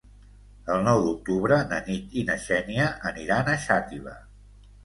El nou d'octubre na Nit i na Xènia aniran a Xàtiva.